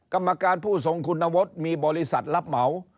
กรรมการผู้ทรงคุณวุฒิมีบริษัทรับเหมา